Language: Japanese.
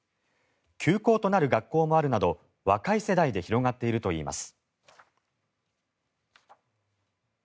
休校となる学校もあるなど若い世代で広がっているといいます。